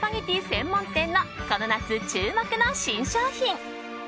専門店のこの夏、注目の新商品。